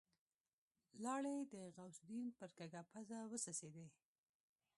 لاړې د غوث الدين پر کږه پزه وڅڅېدې.